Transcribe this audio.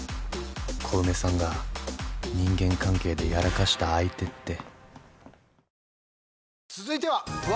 小梅さんが人間関係でやらかした相手って。